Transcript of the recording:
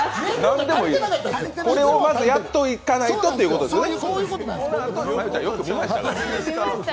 これをまずやっておかないとってことですね？